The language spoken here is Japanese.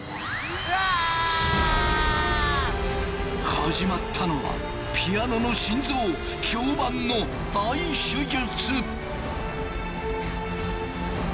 始まったのはピアノの心臓響板の大手術。